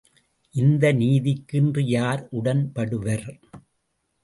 இந்த நீதிக்கு இன்று யார் உடன்படுவர்?